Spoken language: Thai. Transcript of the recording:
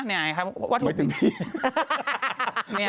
นี่ครับว่าทุกมีเรื่องมี